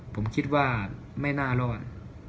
ผมคิดว่าไม่น่ารอด